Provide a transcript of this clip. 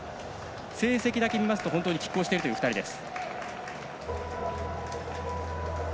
成績だけ見ますときっ抗しているという２人です。